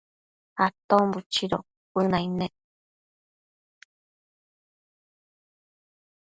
Aton buchido cuënaid nec